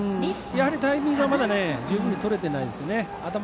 やはりタイミングはまだ十分に取れてないですね。